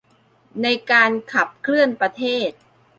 ในการขับเคลื่อนประเทศ